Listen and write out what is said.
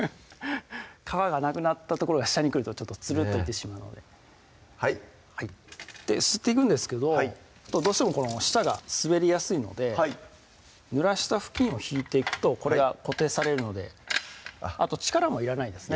皮がなくなった所が下に来るとつるっといってしまうのではいすっていくんですけどどうしても下が滑りやすいのでぬらした布巾をひいていくとこれが固定されるのであと力もいらないですね